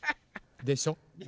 でしょ？